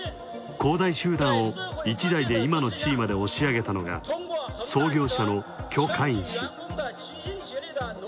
恒大集団を一代で今の地位まで押し上げたのが創業者の許家印氏。